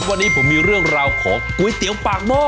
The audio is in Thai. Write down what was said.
วันนี้ผมมีเรื่องราวของก๋วยเตี๋ยวปากหม้อ